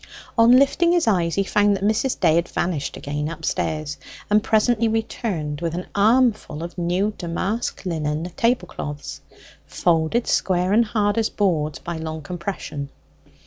On lifting his eyes he found that Mrs. Day had vanished again upstairs, and presently returned with an armful of new damask linen tablecloths, folded square and hard as boards by long compression.